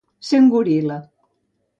Ser un goril·la.